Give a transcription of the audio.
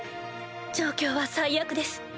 状況は最悪です。